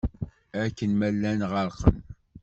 Akken ma llan ɣerqen.